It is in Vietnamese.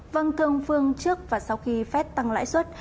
vâng thưa ông phương trước và sau khi phép tăng lãi suất